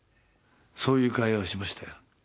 そういう会話はしましたよ。